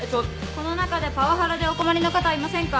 この中でパワハラでお困りの方はいませんか？